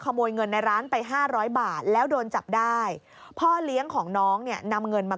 ขโมยเงินในร้านไปห้าร้อยบาทแล้วโดนจับได้พ่อเลี้ยงของน้องเนี่ยนำเงินมา